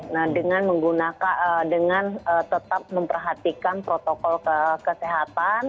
nah dengan tetap memperhatikan protokol kesehatan